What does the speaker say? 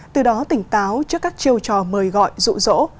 từ đó tỉnh táo trước các chiêu trò mời gọi dụ dỗ